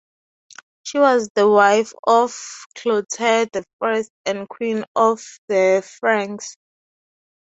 She was the wife of Clotaire the First and queen of the Franks.